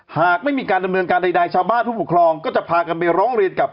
หากไม่มีการดำเนินการรายดายชาวบ้านผู้ปกครอง